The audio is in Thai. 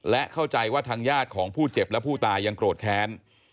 และเข้าใจว่าทางญาติของผู้เจ็บและผู้ตายยังโกรธแค้น